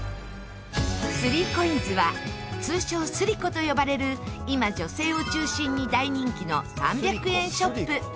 ３ＣＯＩＮＳは通称、スリコと呼ばれる今、女性を中心に大人気の３００円ショップ